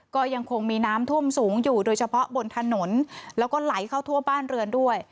ก็ยังคงมีน้ำท่วมสูงอยู่โดยเฉพาะบนถนนแล้วก็ไหลเข้าทั่วบ้านเรือนด้วย